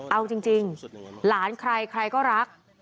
เอาจริงหลานใครใครก็รัก